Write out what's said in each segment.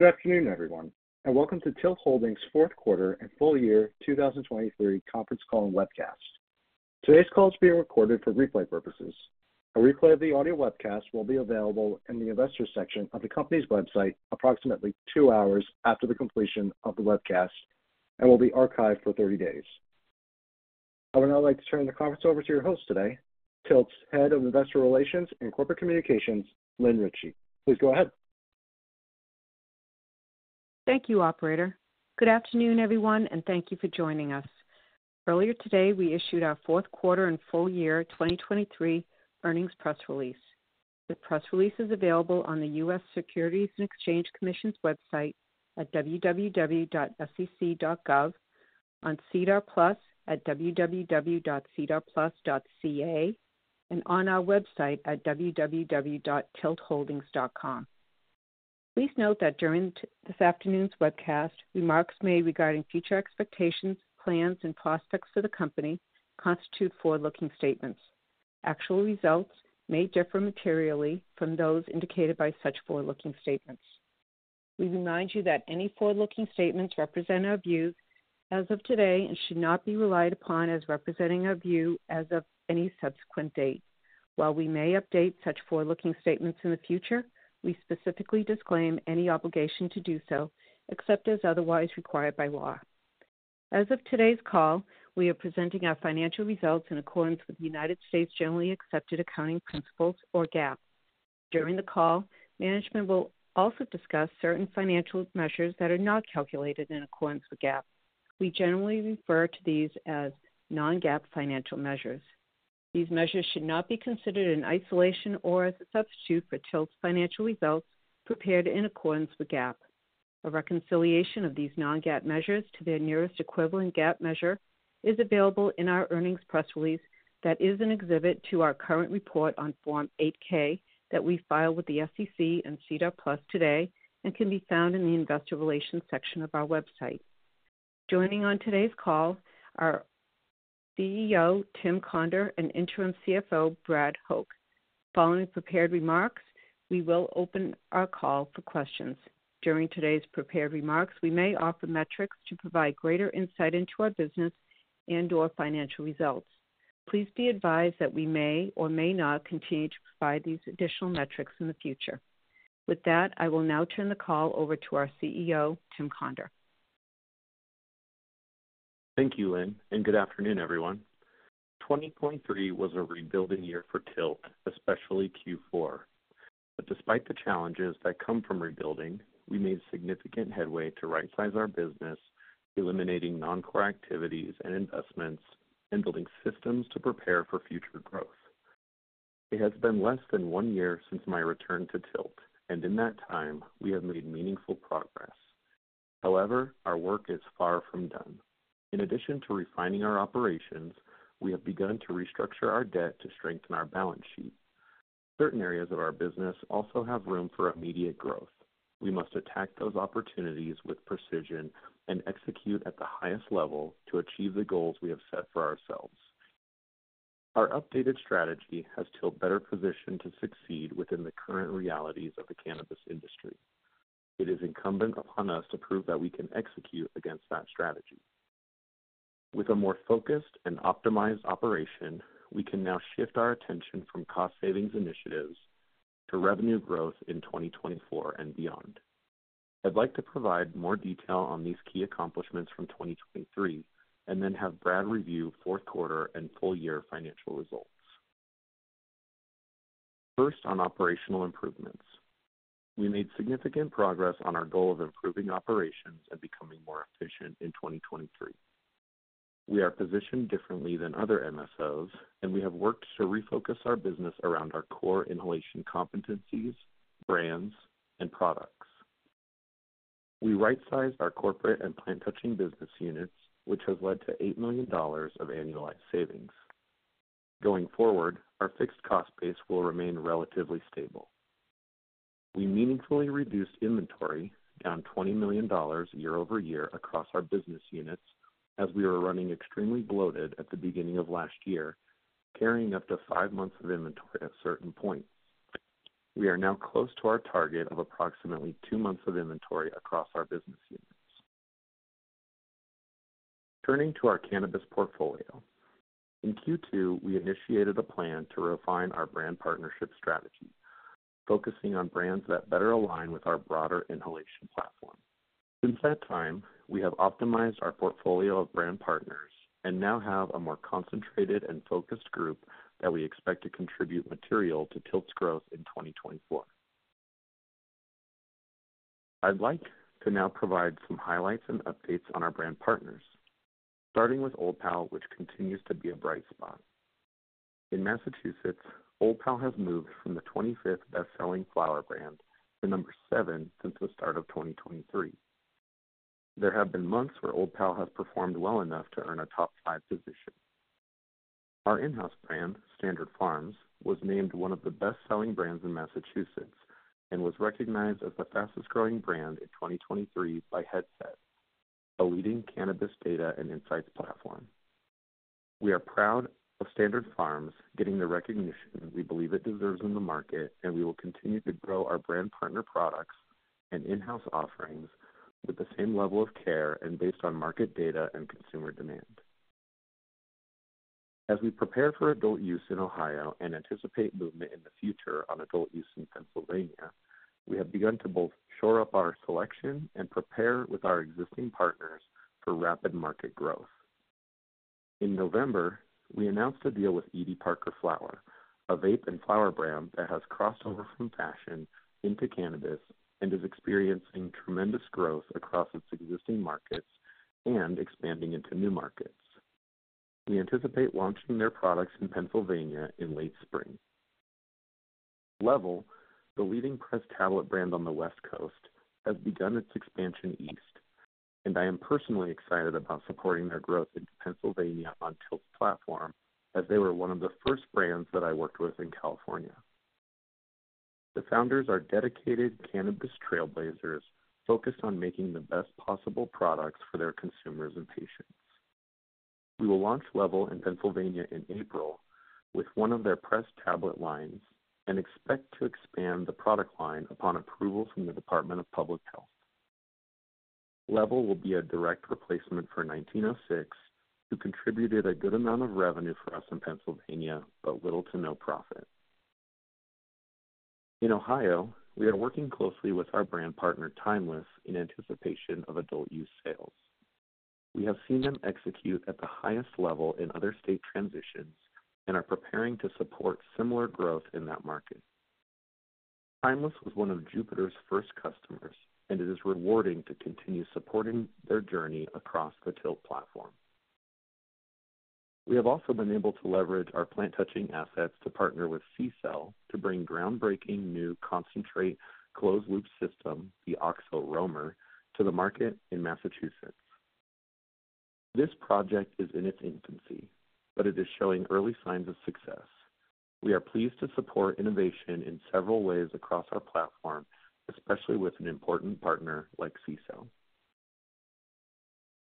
Good afternoon, everyone, and welcome to TILT Holdings' fourth quarter and full year 2023 conference call and webcast. Today's call is being recorded for replay purposes. A replay of the audio webcast will be available in the investor section of the company's website approximately 2 hours after the completion of the webcast and will be archived for 30 days. I would now like to turn the conference over to your host today, TILT's Head of Investor Relations and Corporate Communications, Lynn Ricci. Please go ahead. Thank you, operator. Good afternoon, everyone, and thank you for joining us. Earlier today, we issued our fourth quarter and full year 2023 earnings press release. The press release is available on the U.S. Securities and Exchange Commission's website at www.sec.gov, on SEDAR+ at www.sedarplus.ca, and on our website at www.tilt-holdings.com. Please note that during this afternoon's webcast, remarks made regarding future expectations, plans, and prospects for the company constitute forward-looking statements. Actual results may differ materially from those indicated by such forward-looking statements. We remind you that any forward-looking statements represent our views as of today and should not be relied upon as representing our view as of any subsequent date. While we may update such forward-looking statements in the future, we specifically disclaim any obligation to do so except as otherwise required by law. As of today's call, we are presenting our financial results in accordance with the United States Generally Accepted Accounting Principles, or GAAP. During the call, management will also discuss certain financial measures that are not calculated in accordance with GAAP. We generally refer to these as non-GAAP financial measures. These measures should not be considered in isolation or as a substitute for TILT's financial results prepared in accordance with GAAP. A reconciliation of these non-GAAP measures to their nearest equivalent GAAP measure is available in our earnings press release that is an exhibit to our current report on Form 8-K that we filed with the SEC and SEDAR+ today and can be found in the investor relations section of our website. Joining on today's call are CEO Tim Conder and interim CFO Brad Hoch. Following prepared remarks, we will open our call for questions. During today's prepared remarks, we may offer metrics to provide greater insight into our business and/or financial results. Please be advised that we may or may not continue to provide these additional metrics in the future. With that, I will now turn the call over to our CEO, Tim Conder. Thank you, Lynn, and good afternoon, everyone. 2023 was a rebuilding year for TILT, especially Q4. Despite the challenges that come from rebuilding, we made significant headway to right-size our business, eliminating non-core activities and investments, and building systems to prepare for future growth. It has been less than one year since my return to TILT, and in that time, we have made meaningful progress. However, our work is far from done. In addition to refining our operations, we have begun to restructure our debt to strengthen our balance sheet. Certain areas of our business also have room for immediate growth. We must attack those opportunities with precision and execute at the highest level to achieve the goals we have set for ourselves. Our updated strategy has TILT better positioned to succeed within the current realities of the cannabis industry. It is incumbent upon us to prove that we can execute against that strategy. With a more focused and optimized operation, we can now shift our attention from cost-savings initiatives to revenue growth in 2024 and beyond. I'd like to provide more detail on these key accomplishments from 2023 and then have Brad review fourth quarter and full year financial results. First, on operational improvements. We made significant progress on our goal of improving operations and becoming more efficient in 2023. We are positioned differently than other MSOs, and we have worked to refocus our business around our core inhalation competencies, brands, and products. We right-sized our corporate and plant-touching business units, which has led to $8 million of annualized savings. Going forward, our fixed cost base will remain relatively stable. We meaningfully reduced inventory down $20 million year-over-year across our business units as we were running extremely bloated at the beginning of last year, carrying up to 5 months of inventory at certain points. We are now close to our target of approximately 2 months of inventory across our business units. Turning to our cannabis portfolio. In Q2, we initiated a plan to refine our brand partnership strategy, focusing on brands that better align with our broader inhalation platform. Since that time, we have optimized our portfolio of brand partners and now have a more concentrated and focused group that we expect to contribute material to TILT's growth in 2024. I'd like to now provide some highlights and updates on our brand partners, starting with Old Pal, which continues to be a bright spot. In Massachusetts, Old Pal has moved from the 25th best-selling flower brand to number 7 since the start of 2023. There have been months where Old Pal has performed well enough to earn a top 5 position. Our in-house brand, Standard Farms, was named one of the best-selling brands in Massachusetts and was recognized as the fastest-growing brand in 2023 by Headset, a leading cannabis data and insights platform. We are proud of Standard Farms getting the recognition we believe it deserves in the market, and we will continue to grow our brand partner products and in-house offerings with the same level of care and based on market data and consumer demand. As we prepare for adult use in Ohio and anticipate movement in the future on adult use in Pennsylvania, we have begun to both shore up our selection and prepare with our existing partners for rapid market growth. In November, we announced a deal with Edie Parker Flower, a vape and flower brand that has crossed over from fashion into cannabis and is experiencing tremendous growth across its existing markets and expanding into new markets. We anticipate launching their products in Pennsylvania in late spring. LEVEL, the leading pressed tablet brand on the West Coast, has begun its expansion east, and I am personally excited about supporting their growth into Pennsylvania on TILT's platform as they were one of the first brands that I worked with in California. The founders are dedicated cannabis trailblazers focused on making the best possible products for their consumers and patients. We will launch LEVEL in Pennsylvania in April with one of their pressed tablet lines and expect to expand the product line upon approval from the Department of Public Health. LEVEL will be a direct replacement for 1906, who contributed a good amount of revenue for us in Pennsylvania but little to no profit. In Ohio, we are working closely with our brand partner Timeless in anticipation of adult use sales. We have seen them execute at the highest level in other state transitions and are preparing to support similar growth in that market. Timeless was one of Jupiter's first customers, and it is rewarding to continue supporting their journey across the TILT platform. We have also been able to leverage our plant-touching assets to partner with CCELL to bring groundbreaking new concentrate closed-loop system, the AUXO Roamer, to the market in Massachusetts. This project is in its infancy, but it is showing early signs of success. We are pleased to support innovation in several ways across our platform, especially with an important partner like CCELL.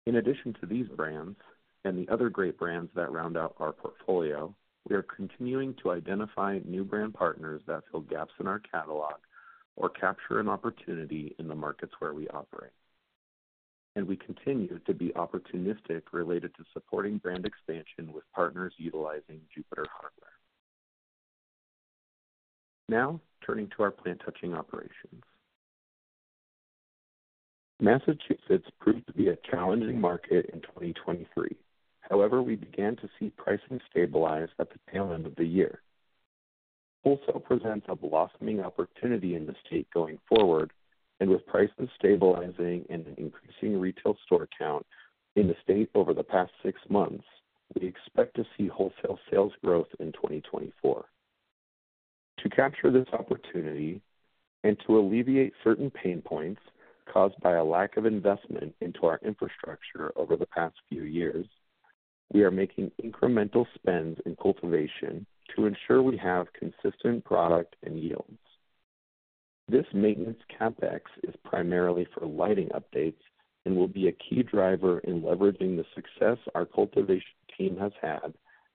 In addition to these brands and the other great brands that round out our portfolio, we are continuing to identify new brand partners that fill gaps in our catalog or capture an opportunity in the markets where we operate. We continue to be opportunistic related to supporting brand expansion with partners utilizing Jupiter hardware. Now, turning to our plant-touching operations. Massachusetts proved to be a challenging market in 2023. However, we began to see pricing stabilize at the tail end of the year. Wholesale presents a blossoming opportunity in the state going forward, and with prices stabilizing and an increasing retail store count in the state over the past six months, we expect to see wholesale sales growth in 2024. To capture this opportunity and to alleviate certain pain points caused by a lack of investment into our infrastructure over the past few years, we are making incremental spends in cultivation to ensure we have consistent product and yields. This maintenance CapEx is primarily for lighting updates and will be a key driver in leveraging the success our cultivation team has had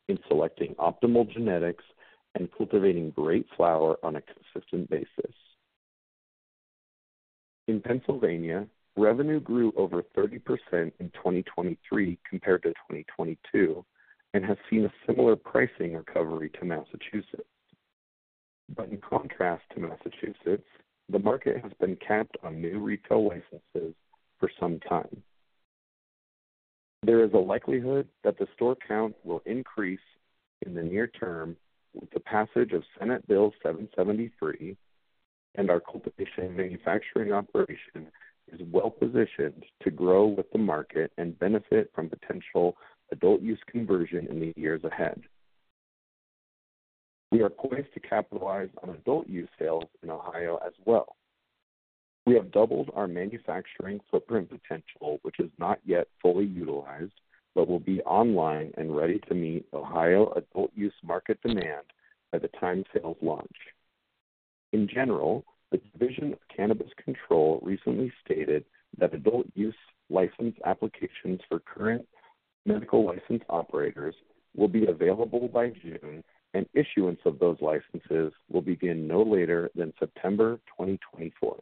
in selecting optimal genetics and cultivating great flower on a consistent basis. In Pennsylvania, revenue grew over 30% in 2023 compared to 2022 and has seen a similar pricing recovery to Massachusetts. But in contrast to Massachusetts, the market has been capped on new retail licenses for some time. There is a likelihood that the store count will increase in the near term with the passage of Senate Bill 773, and our cultivation manufacturing operation is well-positioned to grow with the market and benefit from potential adult use conversion in the years ahead. We are poised to capitalize on adult use sales in Ohio as well. We have doubled our manufacturing footprint potential, which is not yet fully utilized but will be online and ready to meet Ohio adult use market demand by the time sales launch. In general, the Division of Cannabis Control recently stated that adult use license applications for current medical license operators will be available by June, and issuance of those licenses will begin no later than September 2024.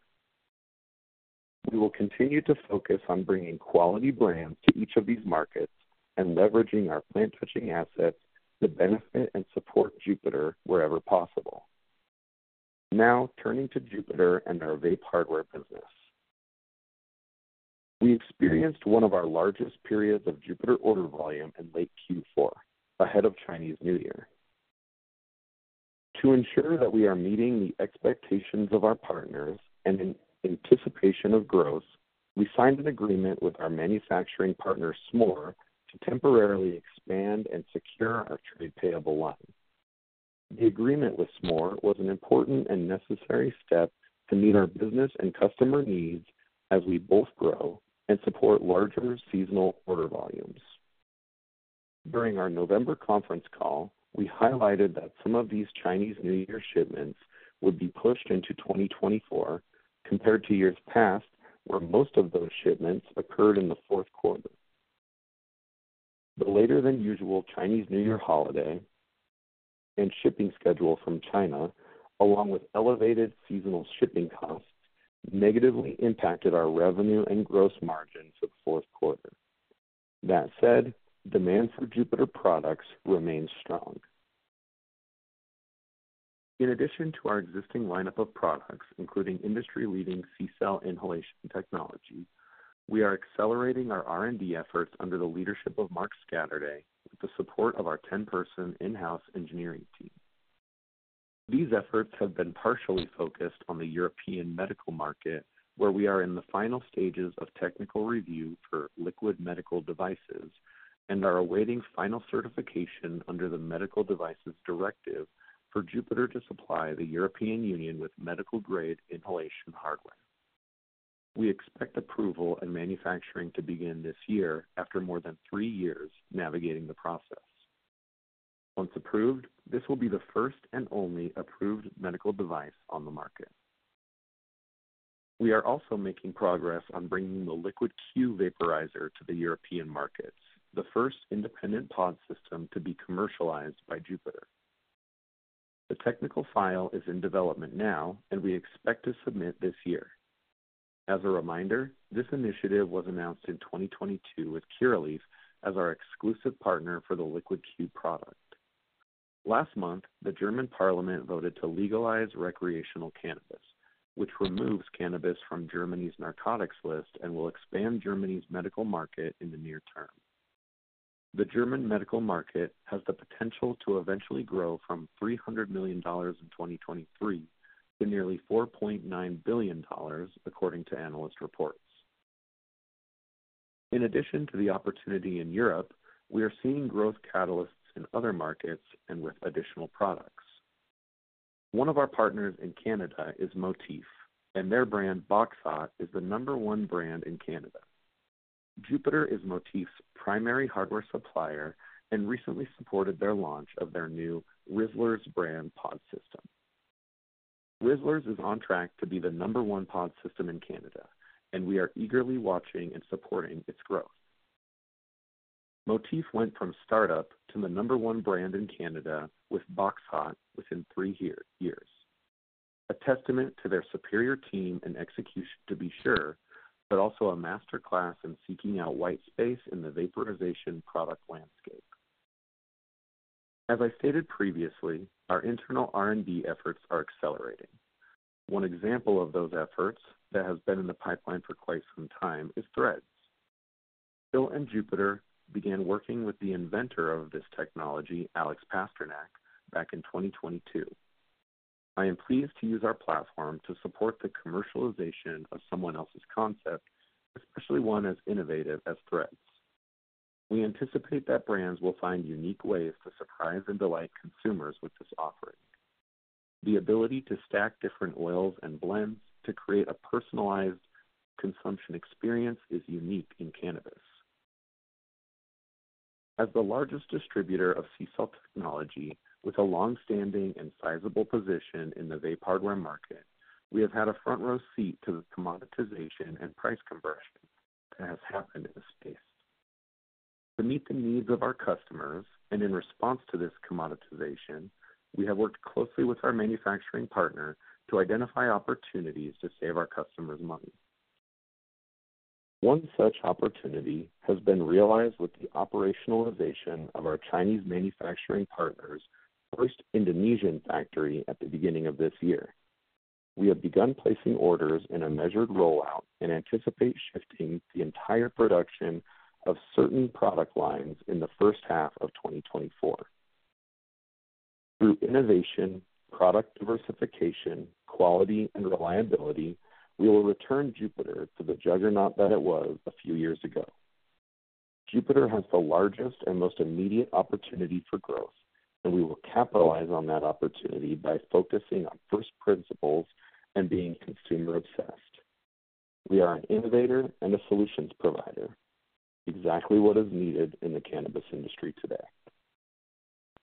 We will continue to focus on bringing quality brands to each of these markets and leveraging our plant-touching assets to benefit and support Jupiter wherever possible. Now, turning to Jupiter and our vape hardware business. We experienced one of our largest periods of Jupiter order volume in late Q4, ahead of Chinese New Year. To ensure that we are meeting the expectations of our partners and in anticipation of growth, we signed an agreement with our manufacturing partner SMOORE to temporarily expand and secure our trade payable line. The agreement with SMOORE was an important and necessary step to meet our business and customer needs as we both grow and support larger seasonal order volumes. During our November conference call, we highlighted that some of these Chinese New Year shipments would be pushed into 2024 compared to years past where most of those shipments occurred in the fourth quarter. The later-than-usual Chinese New Year holiday and shipping schedule from China, along with elevated seasonal shipping costs, negatively impacted our revenue and gross margins for the fourth quarter. That said, demand for Jupiter products remains strong. In addition to our existing lineup of products, including industry-leading CCELL inhalation technology, we are accelerating our R&D efforts under the leadership of Mark Scatterday with the support of our 10-person in-house engineering team. These efforts have been partially focused on the European medical market, where we are in the final stages of technical review for liquid medical devices and are awaiting final certification under the Medical Devices Directive for Jupiter to supply the European Union with medical-grade inhalation hardware. We expect approval and manufacturing to begin this year after more than three years navigating the process. Once approved, this will be the first and only approved medical device on the market. We are also making progress on bringing the Liquid Q vaporizer to the European markets, the first independent pod system to be commercialized by Jupiter. The technical file is in development now, and we expect to submit this year. As a reminder, this initiative was announced in 2022 with Curaleaf as our exclusive partner for the LiquidQ product. Last month, the German Parliament voted to legalize recreational cannabis, which removes cannabis from Germany's narcotics list and will expand Germany's medical market in the near term. The German medical market has the potential to eventually grow from $300 million in 2023 to nearly $4.9 billion, according to analyst reports. In addition to the opportunity in Europe, we are seeing growth catalysts in other markets and with additional products. One of our partners in Canada is Motif, and their brand Boxhot is the number one brand in Canada. Jupiter is Motif's primary hardware supplier and recently supported their launch of their new Rizzlers brand pod system. Rizzlers is on track to be the number one pod system in Canada, and we are eagerly watching and supporting its growth. Motif went from startup to the number one brand in Canada with Boxhot within 3 years, a testament to their superior team and execution to be sure, but also a masterclass in seeking out white space in the vaporization product landscape. As I stated previously, our internal R&D efforts are accelerating. One example of those efforts that has been in the pipeline for quite some time is Threads. Bill and Jupiter began working with the inventor of this technology, Alex Pasternak, back in 2022. I am pleased to use our platform to support the commercialization of someone else's concept, especially one as innovative as Threads. We anticipate that brands will find unique ways to surprise and delight consumers with this offering. The ability to stack different oils and blends to create a personalized consumption experience is unique in cannabis. As the largest distributor of CCELL technology, with a longstanding and sizable position in the vape hardware market, we have had a front-row seat to the commoditization and price conversion that has happened in the space. To meet the needs of our customers and in response to this commoditization, we have worked closely with our manufacturing partner to identify opportunities to save our customers money. One such opportunity has been realized with the operationalization of our Chinese manufacturing partner's first Indonesian factory at the beginning of this year. We have begun placing orders in a measured rollout and anticipate shifting the entire production of certain product lines in the first half of 2024. Through innovation, product diversification, quality, and reliability, we will return Jupiter to the juggernaut that it was a few years ago. Jupiter has the largest and most immediate opportunity for growth, and we will capitalize on that opportunity by focusing on first principles and being consumer-obsessed. We are an innovator and a solutions provider, exactly what is needed in the cannabis industry today.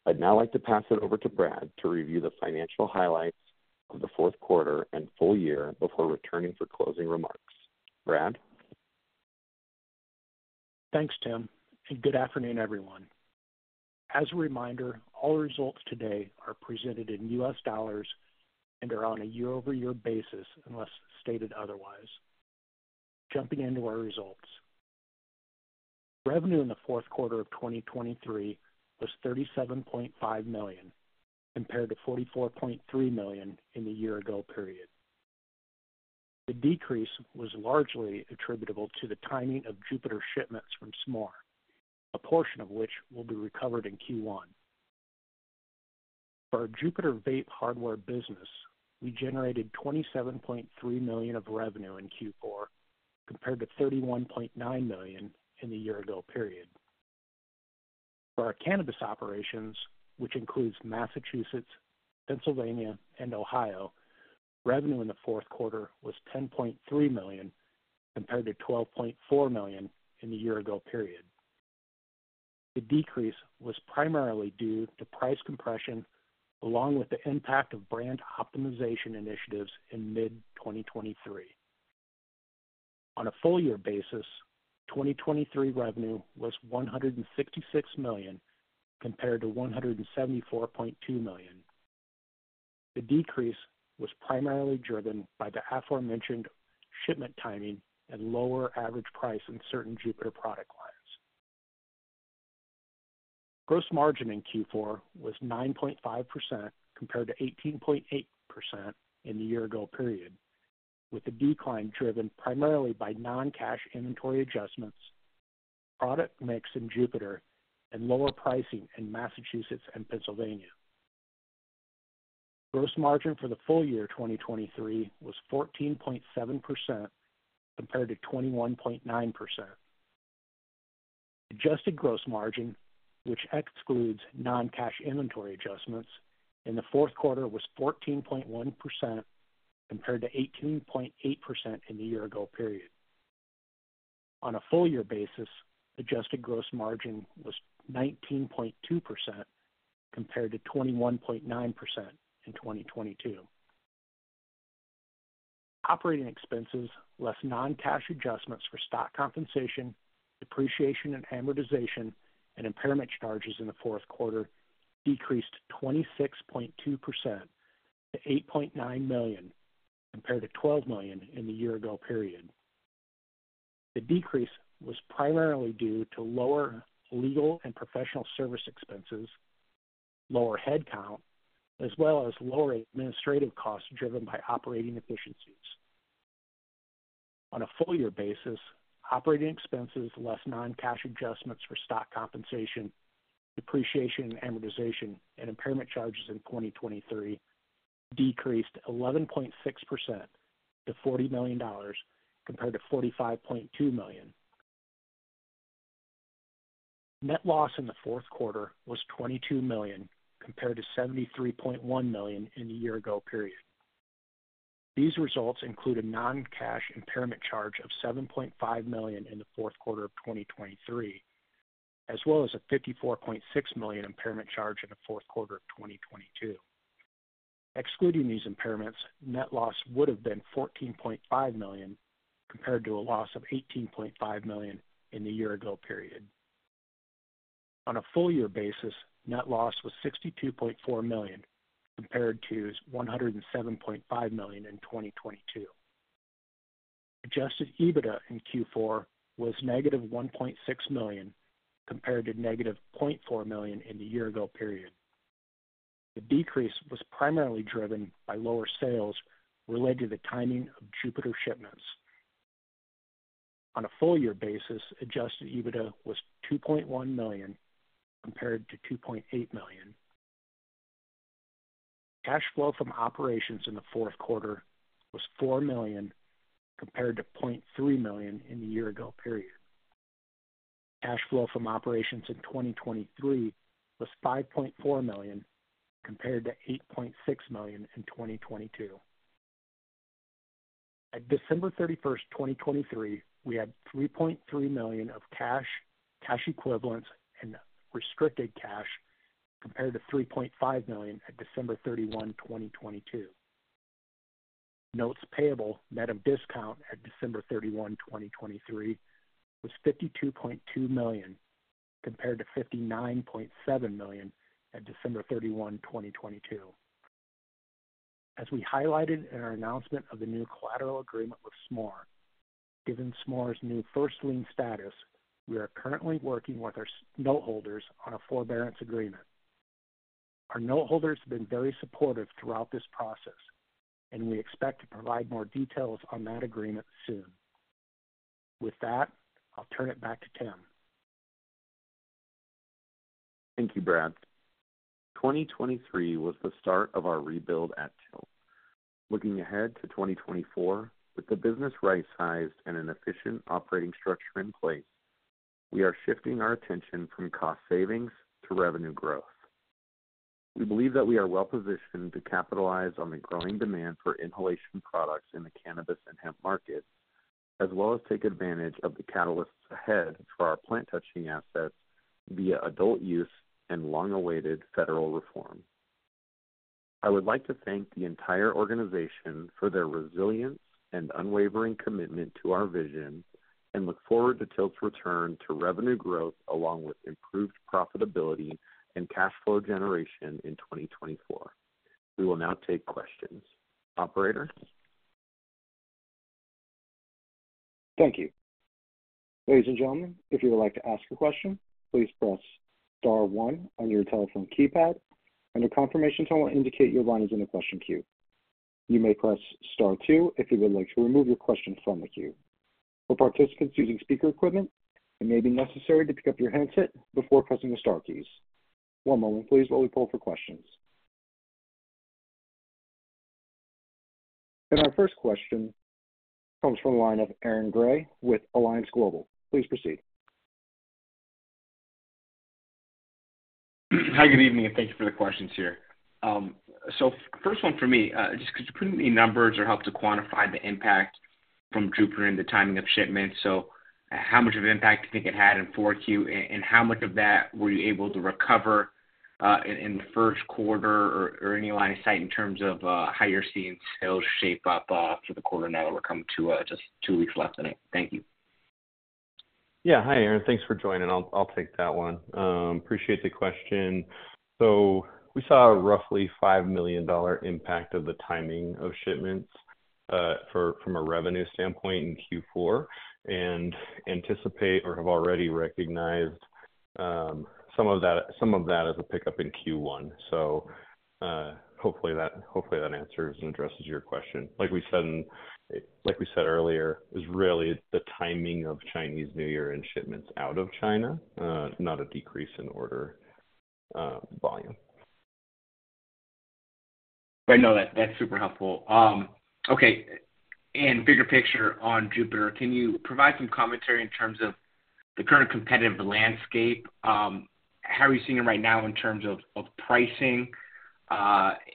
I'd now like to pass it over to Brad to review the financial highlights of the fourth quarter and full year before returning for closing remarks. Brad? Thanks, Tim, and good afternoon, everyone. As a reminder, all results today are presented in US dollars and are on a year-over-year basis unless stated otherwise. Jumping into our results. Revenue in the fourth quarter of 2023 was $37.5 million compared to $44.3 million in the year-ago period. The decrease was largely attributable to the timing of Jupiter shipments from SMOORE, a portion of which will be recovered in Q1. For our Jupiter vape hardware business, we generated $27.3 million of revenue in Q4 compared to $31.9 million in the year-ago period. For our cannabis operations, which includes Massachusetts, Pennsylvania, and Ohio, revenue in the fourth quarter was $10.3 million compared to $12.4 million in the year-ago period. The decrease was primarily due to price compression along with the impact of brand optimization initiatives in mid-2023. On a full-year basis, 2023 revenue was $166 million compared to $174.2 million. The decrease was primarily driven by the aforementioned shipment timing and lower average price in certain Jupiter product lines. Gross margin in Q4 was 9.5% compared to 18.8% in the year-ago period, with the decline driven primarily by non-cash inventory adjustments, product mix in Jupiter, and lower pricing in Massachusetts and Pennsylvania. Gross margin for the full year 2023 was 14.7% compared to 21.9%. Adjusted gross margin, which excludes non-cash inventory adjustments, in the fourth quarter was 14.1% compared to 18.8% in the year-ago period. On a full-year basis, adjusted gross margin was 19.2% compared to 21.9% in 2022. Operating expenses, less non-cash adjustments for stock compensation, depreciation and amortization, and impairment charges in the fourth quarter decreased 26.2% to $8.9 million compared to $12 million in the year-ago period. The decrease was primarily due to lower legal and professional service expenses, lower headcount, as well as lower administrative costs driven by operating efficiencies. On a full-year basis, operating expenses, less non-cash adjustments for stock compensation, depreciation and amortization, and impairment charges in 2023 decreased 11.6% to $40 million compared to $45.2 million. Net loss in the fourth quarter was $22 million compared to $73.1 million in the year-ago period. These results include a non-cash impairment charge of $7.5 million in the fourth quarter of 2023, as well as a $54.6 million impairment charge in the fourth quarter of 2022. Excluding these impairments, net loss would have been $14.5 million compared to a loss of $18.5 million in the year-ago period. On a full-year basis, net loss was $62.4 million compared to $107.5 million in 2022. Adjusted EBITDA in Q4 was negative $1.6 million compared to negative $0.4 million in the year-ago period. The decrease was primarily driven by lower sales related to the timing of Jupiter shipments. On a full-year basis, adjusted EBITDA was $2.1 million compared to $2.8 million. Cash flow from operations in the fourth quarter was $4 million compared to $0.3 million in the year-ago period. Cash flow from operations in 2023 was $5.4 million compared to $8.6 million in 2022. At December 31st, 2023, we had $3.3 million of cash, cash equivalents, and restricted cash compared to $3.5 million at December 31, 2022. Notes payable net of discount at December 31, 2023, was $52.2 million compared to $59.7 million at December 31, 2022. As we highlighted in our announcement of the new collateral agreement with SMOORE, given SMOORE's new First Lien status, we are currently working with our noteholders on a forbearance agreement. Our noteholders have been very supportive throughout this process, and we expect to provide more details on that agreement soon. With that, I'll turn it back to Tim. Thank you, Brad. 2023 was the start of our rebuild at TILT. Looking ahead to 2024, with the business right-sized and an efficient operating structure in place, we are shifting our attention from cost savings to revenue growth. We believe that we are well-positioned to capitalize on the growing demand for inhalation products in the cannabis and hemp market, as well as take advantage of the catalysts ahead for our plant-touching assets via adult use and long-awaited federal reform. I would like to thank the entire organization for their resilience and unwavering commitment to our vision and look forward to TILT's return to revenue growth along with improved profitability and cash flow generation in 2024. We will now take questions. Operators? Thank you. Ladies and gentlemen, if you would like to ask a question, please press star 1 on your telephone keypad, and a confirmation tone will indicate your line is in a question queue. You may press star 2 if you would like to remove your question from the queue. For participants using speaker equipment, it may be necessary to pick up your handset before pressing the star keys. One moment, please, while we pull for questions. Our first question comes from the line of Aaron Gray with Alliance Global Partners. Please proceed. Hi, good evening, and thank you for the questions here. So first one for me, just could you put in any numbers or help to quantify the impact from Jupiter and the timing of shipments? So how much of an impact do you think it had in 4Q, and how much of that were you able to recover in the first quarter or any line of sight in terms of how you're seeing sales shape up for the quarter now that we're coming to just two weeks left of it? Thank you. Yeah, hi, Aaron. Thanks for joining. I'll take that one. Appreciate the question. So we saw a roughly $5 million impact of the timing of shipments from a revenue standpoint in Q4 and anticipate or have already recognized some of that as a pickup in Q1. So hopefully, that answers and addresses your question. Like we said earlier, it's really the timing of Chinese New Year and shipments out of China, not a decrease in order volume. Right. No, that's super helpful. Okay. And bigger picture on Jupiter, can you provide some commentary in terms of the current competitive landscape? How are you seeing it right now in terms of pricing,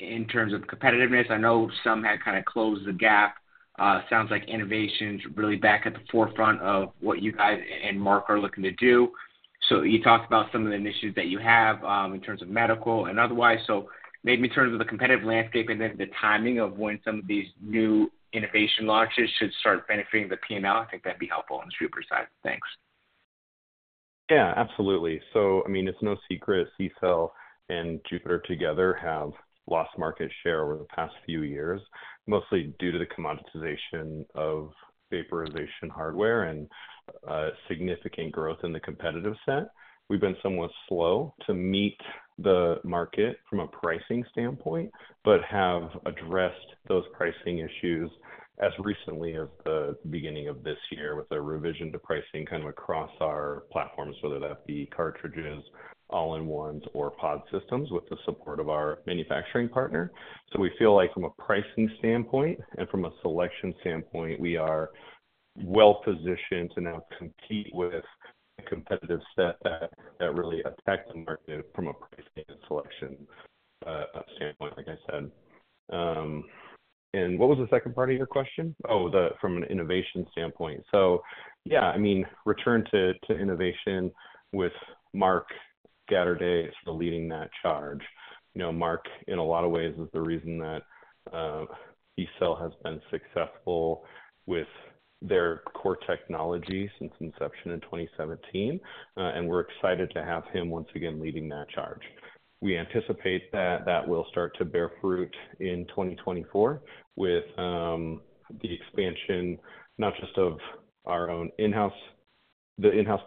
in terms of competitiveness? I know some had kind of closed the gap. Sounds like innovation's really back at the forefront of what you guys and Mark are looking to do. So you talked about some of the initiatives that you have in terms of medical and otherwise. So maybe in terms of the competitive landscape and then the timing of when some of these new innovation launches should start benefiting the P&L, I think that'd be helpful on the Jupiter side. Thanks. Yeah, absolutely. So I mean, it's no secret CCELL and Jupiter together have lost market share over the past few years, mostly due to the commoditization of vaporization hardware and significant growth in the competitive set. We've been somewhat slow to meet the market from a pricing standpoint but have addressed those pricing issues as recently as the beginning of this year with a revision to pricing kind of across our platforms, whether that be cartridges, all-in-ones, or pod systems with the support of our manufacturing partner. So we feel like from a pricing standpoint and from a selection standpoint, we are well-positioned to now compete with a competitive set that really affects the market from a pricing and selection standpoint, like I said. And what was the second part of your question? Oh, from an innovation standpoint. So yeah, I mean, return to innovation with Mark. Jupiter is leading that charge. Mark, in a lot of ways, is the reason that CCELL has been successful with their core technology since inception in 2017, and we're excited to have him once again leading that charge. We anticipate that that will start to bear fruit in 2024 with the expansion not just of our own in-house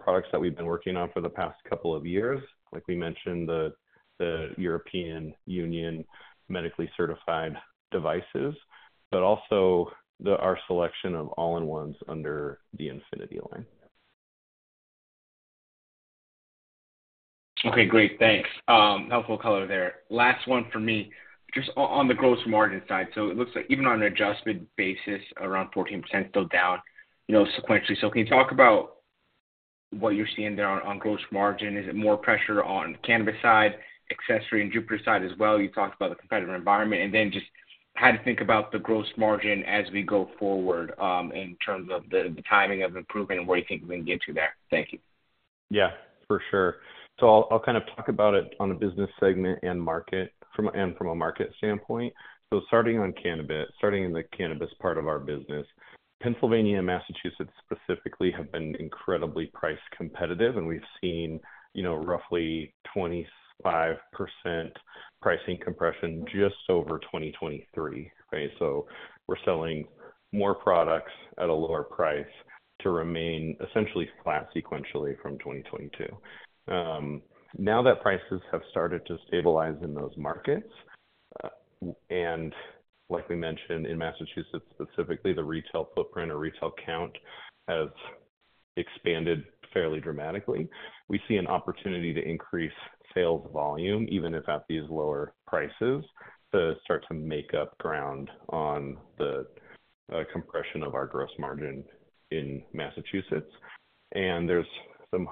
products that we've been working on for the past couple of years, like we mentioned, the European Union medically certified devices, but also our selection of all-in-ones under the Infinity line. Okay, great. Thanks. Helpful color there. Last one for me, just on the gross margin side. So it looks like even on an adjusted basis, around 14% still down sequentially. So can you talk about what you're seeing there on gross margin? Is it more pressure on the cannabis side, accessories and Jupiter side as well? You talked about the competitive environment, and then just how to think about the gross margin as we go forward in terms of the timing of improvement and where you think we can get to there. Thank you. Yeah, for sure. So I'll kind of talk about it on the business segment and from a market standpoint. So starting on cannabis, starting in the cannabis part of our business, Pennsylvania and Massachusetts specifically have been incredibly price competitive, and we've seen roughly 25% pricing compression just over 2023, right? So we're selling more products at a lower price to remain essentially flat sequentially from 2022. Now that prices have started to stabilize in those markets, and like we mentioned, in Massachusetts specifically, the retail footprint or retail count has expanded fairly dramatically, we see an opportunity to increase sales volume, even if at these lower prices, to start to make up ground on the compression of our gross margin in Massachusetts. And there's some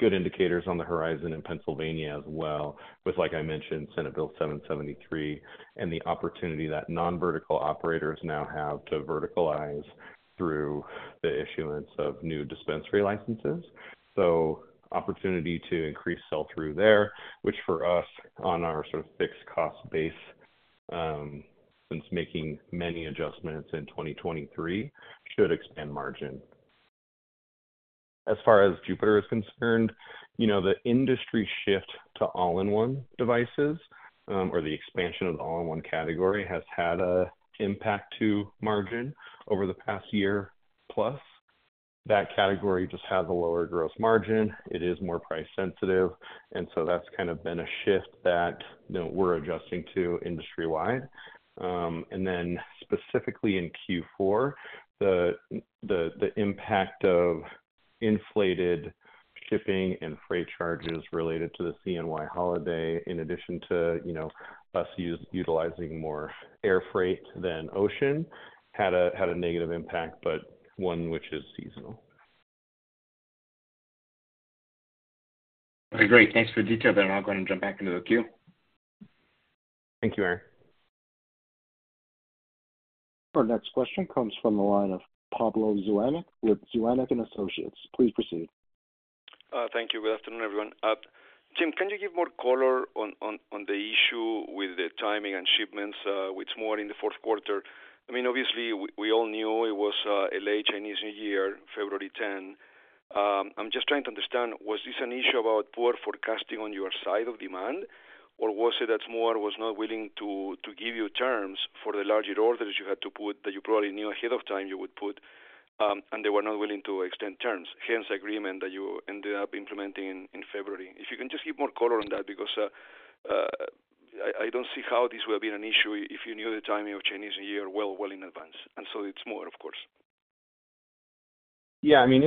good indicators on the horizon in Pennsylvania as well with, like I mentioned, Senate Bill 773 and the opportunity that non-vertical operators now have to verticalize through the issuance of new dispensary licenses. So opportunity to increase sell-through there, which for us, on our sort of fixed cost base since making many adjustments in 2023, should expand margin. As far as Jupiter is concerned, the industry shift to all-in-one devices or the expansion of the all-in-one category has had an impact to margin over the past year plus. That category just has a lower gross margin. It is more price sensitive. And so that's kind of been a shift that we're adjusting to industry-wide. Specifically in Q4, the impact of inflated shipping and freight charges related to the CNY holiday, in addition to us utilizing more air freight than ocean, had a negative impact, but one which is seasonal. All right, great. Thanks for the detail, then. I'll go ahead and jump back into the queue. Thank you, Aaron. Our next question comes from the line of Pablo Zuanic with Zuanic & Associates. Please proceed. Thank you. Good afternoon, everyone. Tim, can you give more color on the issue with the timing and shipments with SMOORE in the fourth quarter? I mean, obviously, we all knew it was Lunar Chinese New Year, February 10th. I'm just trying to understand, was this an issue about poor forecasting on your side of demand, or was it that SMOORE was not willing to give you terms for the larger orders you had to put that you probably knew ahead of time you would put, and they were not willing to extend terms, hence agreement that you ended up implementing in February? If you can just give more color on that because I don't see how this would have been an issue if you knew the timing of Chinese New Year well, well in advance. And so it's more, of course. Yeah, I mean,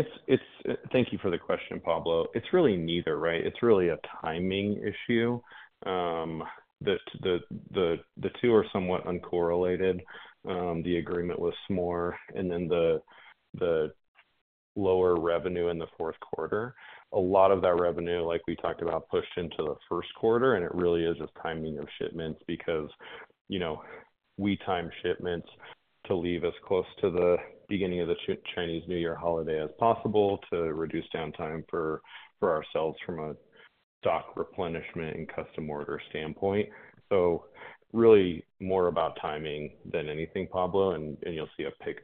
thank you for the question, Pablo. It's really neither, right? It's really a timing issue. The two are somewhat uncorrelated. The agreement with SMOORE and then the lower revenue in the fourth quarter, a lot of that revenue, like we talked about, pushed into the first quarter, and it really is just timing of shipments because we time shipments to leave as close to the beginning of the Chinese New Year holiday as possible to reduce downtime for ourselves from a stock replenishment and custom order standpoint. So really more about timing than anything, Pablo, and you'll see a bit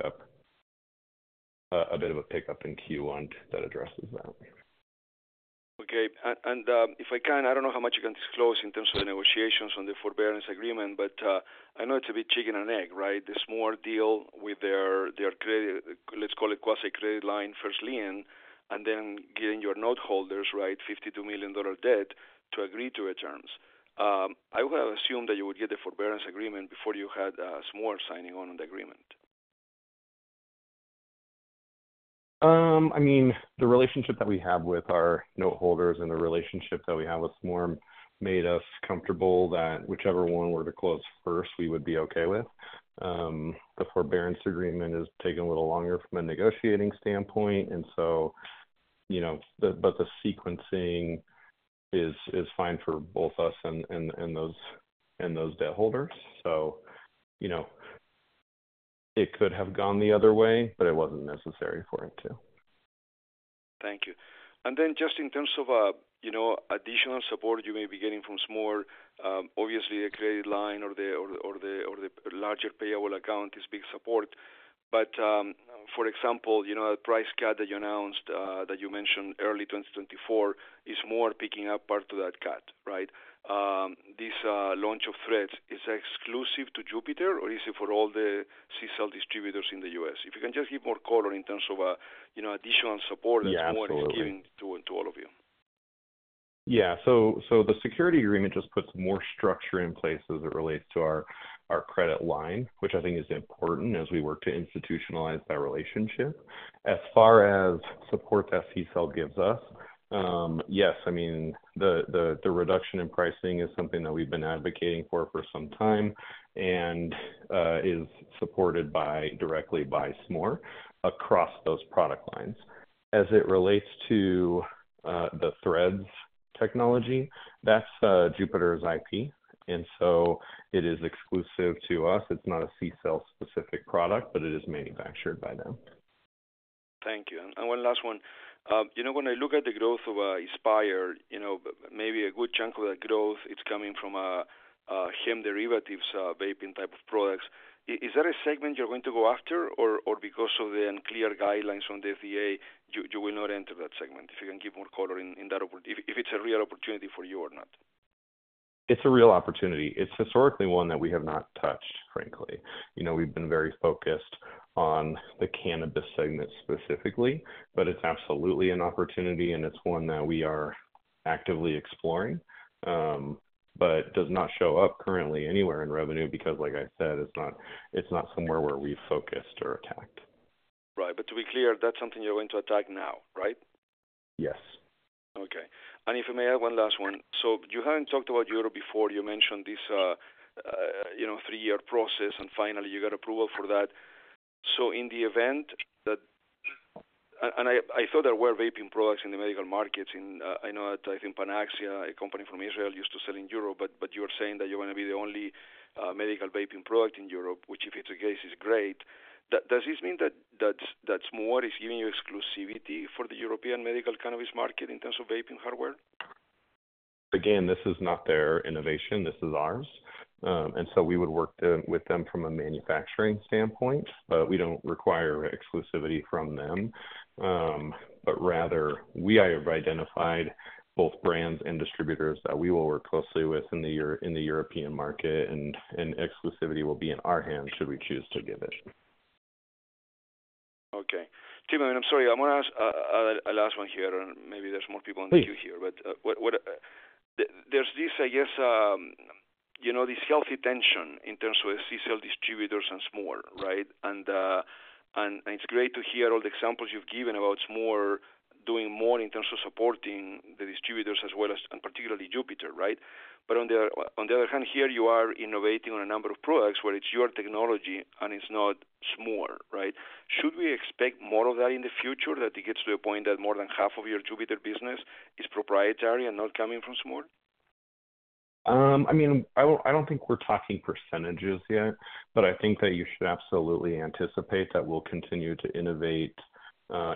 of a pickup in Q1 that addresses that. Okay. And if I can, I don't know how much you can disclose in terms of the negotiations on the forbearance agreement, but I know it's a bit chicken and egg, right? The SMOORE deal with their, let's call it, quasi-credit line, First Lien, and then getting your noteholders, right, $52 million debt to agree to the terms. I would have assumed that you would get the forbearance agreement before you had SMOORE signing on the agreement. I mean, the relationship that we have with our noteholders and the relationship that we have with SMOORE made us comfortable that whichever one were to close first, we would be okay with. The forbearance agreement is taking a little longer from a negotiating standpoint, and so, but the sequencing is fine for both us and those debt holders. So it could have gone the other way, but it wasn't necessary for it to. Thank you. Then just in terms of additional support you may be getting from SMOORE, obviously, the credit line or the larger payable account is big support. But for example, the price cut that you announced that you mentioned early 2024 is more picking up part of that cut, right? This launch of Threads is exclusive to Jupiter, or is it for all the CCELL distributors in the U.S.? If you can just give more color in terms of additional support that SMOORE is giving to all of you. Yeah. So the security agreement just puts more structure in place as it relates to our credit line, which I think is important as we work to institutionalize that relationship. As far as support that CCELL gives us, yes, I mean, the reduction in pricing is something that we've been advocating for for some time and is supported directly by SMOORE across those product lines. As it relates to the Threads technology, that's Jupiter's IP. And so it is exclusive to us. It's not a CCELL-specific product, but it is manufactured by them. Thank you. One last one. When I look at the growth of Ispire, maybe a good chunk of that growth, it's coming from hemp derivatives, vaping type of products. Is that a segment you're going to go after, or because of the unclear guidelines on the FDA, you will not enter that segment? If you can give more color in that if it's a real opportunity for you or not. It's a real opportunity. It's historically one that we have not touched, frankly. We've been very focused on the cannabis segment specifically, but it's absolutely an opportunity, and it's one that we are actively exploring but does not show up currently anywhere in revenue because, like I said, it's not somewhere where we've focused or attacked. Right. But to be clear, that's something you're going to attack now, right? Yes. Okay. And if I may add one last one. So you haven't talked about Europe before. You mentioned this three-year process, and finally, you got approval for that. So in the event that and I thought there were vaping products in the medical markets. I know that, I think, Panaxia, a company from Israel, used to sell in Europe, but you were saying that you're going to be the only medical vaping product in Europe, which if it's the case, is great. Does this mean that SMOORE is giving you exclusivity for the European medical cannabis market in terms of vaping hardware? Again, this is not their innovation. This is ours. And so we would work with them from a manufacturing standpoint, but we don't require exclusivity from them. But rather, we have identified both brands and distributors that we will work closely with in the European market, and exclusivity will be in our hands should we choose to give it. Okay. Tim, I mean, I'm sorry. I'm going to ask a last one here, and maybe there's more people in the queue here, but there's this, I guess, this healthy tension in terms of CCELL distributors and SMOORE, right? And it's great to hear all the examples you've given about SMOORE doing more in terms of supporting the distributors as well as particularly Jupiter, right? But on the other hand, here you are innovating on a number of products where it's your technology and it's not SMOORE, right? Should we expect more of that in the future, that it gets to the point that more than half of your Jupiter business is proprietary and not coming from SMOORE? I mean, I don't think we're talking percentages yet, but I think that you should absolutely anticipate that we'll continue to innovate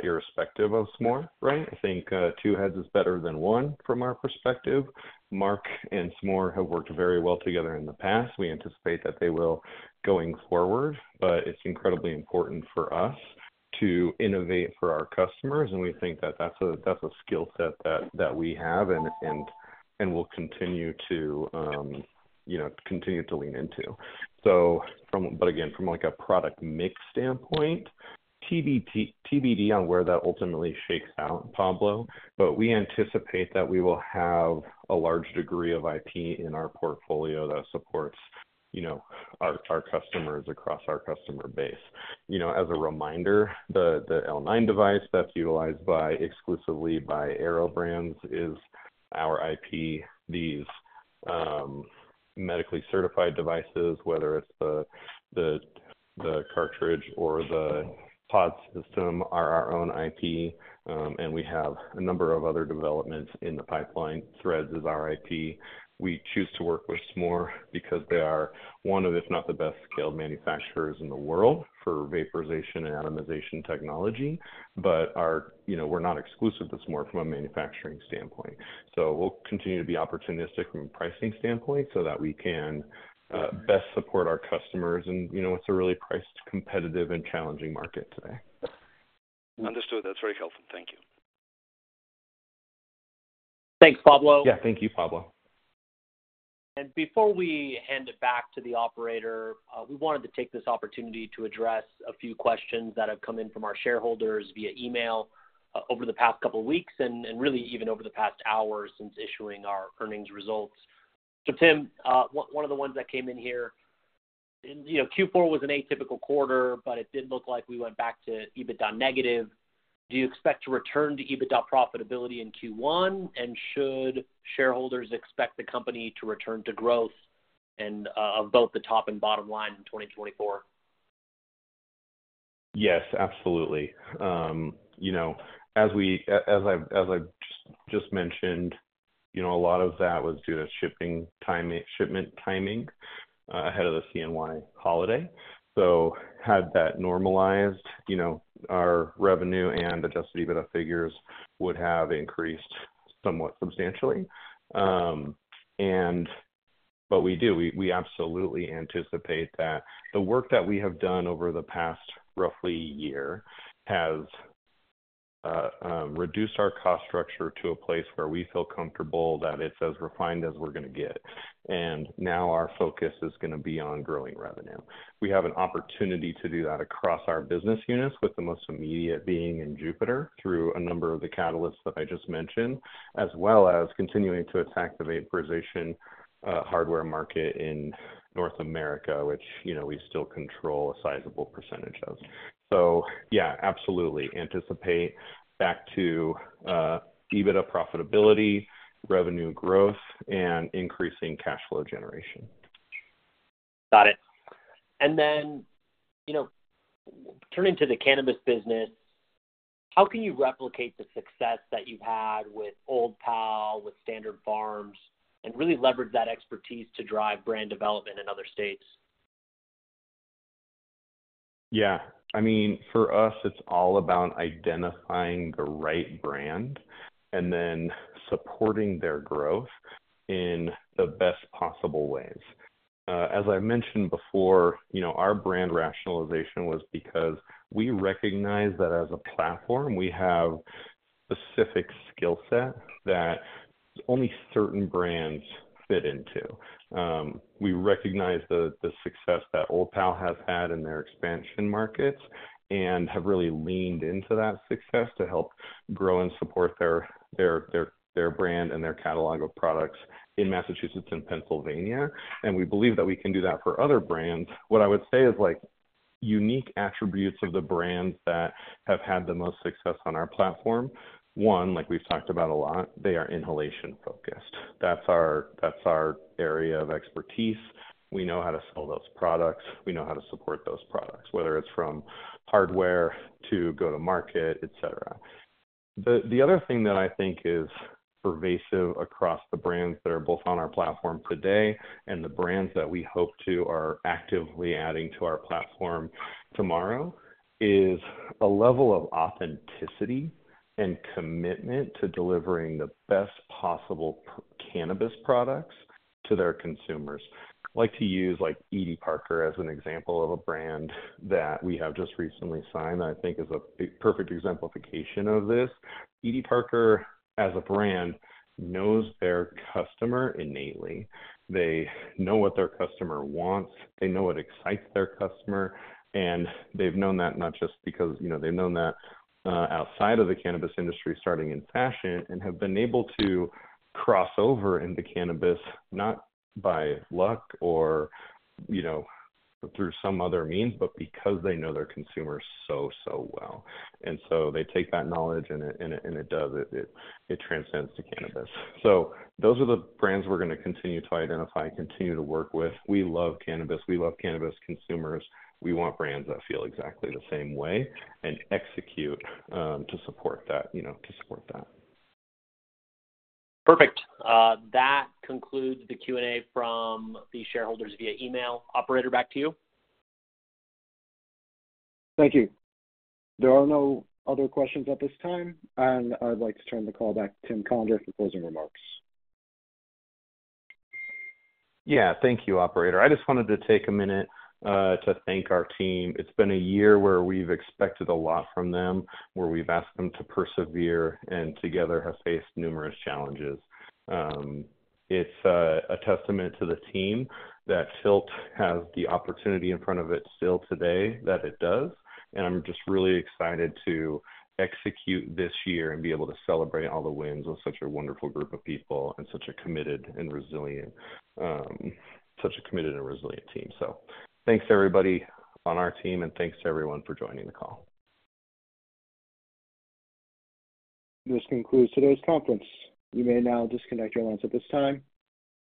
irrespective of SMOORE, right? I think two heads is better than one from our perspective. Mark and SMOORE have worked very well together in the past. We anticipate that they will going forward, but it's incredibly important for us to innovate for our customers, and we think that that's a skill set that we have and will continue to lean into. But again, from a product mix standpoint, TBD on where that ultimately shakes out, Pablo, but we anticipate that we will have a large degree of IP in our portfolio that supports our customers across our customer base. As a reminder, the L9 device that's utilized exclusively by Airo Brands is our IP. These medically certified devices, whether it's the cartridge or the pod system, are our own IP, and we have a number of other developments in the pipeline. Threads is our IP. We choose to work with SMOORE because they are one of, if not the best, scaled manufacturers in the world for vaporization and atomization technology, but we're not exclusive to SMOORE from a manufacturing standpoint. So we'll continue to be opportunistic from a pricing standpoint so that we can best support our customers, and it's a really priced, competitive, and challenging market today. Understood. That's very helpful. Thank you. Thanks, Pablo. Yeah, thank you, Pablo. Before we hand it back to the operator, we wanted to take this opportunity to address a few questions that have come in from our shareholders via email over the past couple of weeks and really even over the past hour since issuing our earnings results. So Tim, one of the ones that came in here, Q4 was an atypical quarter, but it did look like we went back to EBITDA negative. Do you expect to return to EBITDA profitability in Q1, and should shareholders expect the company to return to growth of both the top and bottom line in 2024? Yes, absolutely. As I've just mentioned, a lot of that was due to shipment timing ahead of the CNY holiday. So had that normalized, our revenue and Adjusted EBITDA figures would have increased somewhat substantially. But we do. We absolutely anticipate that the work that we have done over the past roughly year has reduced our cost structure to a place where we feel comfortable that it's as refined as we're going to get. And now our focus is going to be on growing revenue. We have an opportunity to do that across our business units, with the most immediate being in Jupiter through a number of the catalysts that I just mentioned, as well as continuing to attack the vaporization hardware market in North America, which we still control a sizable percentage of. So yeah, absolutely anticipate back to EBITDA profitability, revenue growth, and increasing cash flow generation. Got it. Then turning to the cannabis business, how can you replicate the success that you've had with Old Pal, with Standard Farms, and really leverage that expertise to drive brand development in other states? Yeah. I mean, for us, it's all about identifying the right brand and then supporting their growth in the best possible ways. As I mentioned before, our brand rationalization was because we recognize that as a platform, we have a specific skill set that only certain brands fit into. We recognize the success that Old Pal has had in their expansion markets and have really leaned into that success to help grow and support their brand and their catalog of products in Massachusetts and Pennsylvania. And we believe that we can do that for other brands. What I would say is unique attributes of the brands that have had the most success on our platform, one, like we've talked about a lot, they are inhalation-focused. That's our area of expertise. We know how to sell those products. We know how to support those products, whether it's from hardware to go to market, etc. The other thing that I think is pervasive across the brands that are both on our platform today and the brands that we hope to are actively adding to our platform tomorrow is a level of authenticity and commitment to delivering the best possible cannabis products to their consumers. I like to use Edie Parker as an example of a brand that we have just recently signed that I think is a perfect exemplification of this. Edie Parker, as a brand, knows their customer innately. They know what their customer wants. They know what excites their customer. They've known that not just because they've known that outside of the cannabis industry, starting in fashion, and have been able to cross over into cannabis not by luck or through some other means, but because they know their consumers so, so well. They take that knowledge, and it does. It transcends to cannabis. Those are the brands we're going to continue to identify, continue to work with. We love cannabis. We love cannabis consumers. We want brands that feel exactly the same way and execute to support that. Perfect. That concludes the Q&A from the shareholders via email. Operator, back to you. Thank you. There are no other questions at this time, and I'd like to turn the call back to Tim Conder for closing remarks. Yeah, thank you, Operator. I just wanted to take a minute to thank our team. It's been a year where we've expected a lot from them, where we've asked them to persevere and together have faced numerous challenges. It's a testament to the team that TILT has the opportunity in front of it still today that it does. And I'm just really excited to execute this year and be able to celebrate all the wins with such a wonderful group of people and such a committed and resilient team. So thanks, everybody on our team, and thanks to everyone for joining the call. This concludes today's conference. You may now disconnect your lines at this time.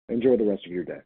Enjoy the rest of your day.